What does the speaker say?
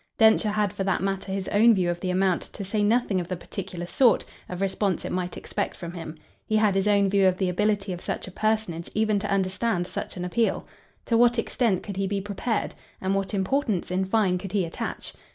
Densher had for that matter his own view of the amount, to say nothing of the particular sort, of response it might expect from him. He had his own view of the ability of such a personage even to understand such an appeal. To what extent could he be prepared, and what importance in fine could he attach?